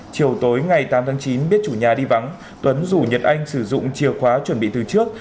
chiều tối ngày tám tháng chín biết chủ nhà đi vắng tuấn rủ nhật anh sử dụng chìa khóa chuẩn bị từ trước